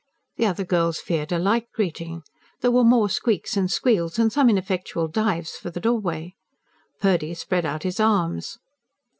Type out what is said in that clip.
The other girls feared a like greeting; there were more squeaks and squeals, and some ineffectual dives for the doorway. Purdy spread out his arms.